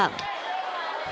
mengeluarkan asap tebal